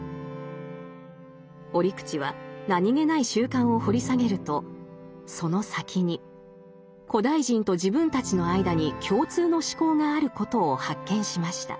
折口は何気ない習慣を掘り下げるとその先に古代人と自分たちの間に共通の思考があることを発見しました。